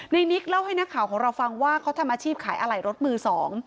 นิกเล่าให้นักข่าวของเราฟังว่าเขาทำอาชีพขายอะไหล่รถมือสอง